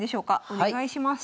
お願いします。